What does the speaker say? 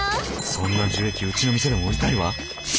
そんな樹液うちの店でも売りたいわ。